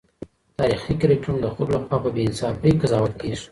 تاریخي کرکټرونه د خلګو له خوا په بې انصافۍ قضاوت کيږي.